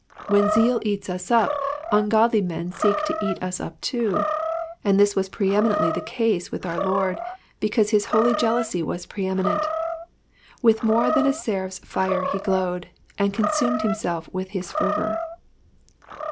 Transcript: When zeal eats us up, ungodly men seek to eat us up too, and this was pre eminently the case with our Lord, because his holy jealousy was pre eminent. With more than a seraph's fire he glowed, and consumed himself with his fervour.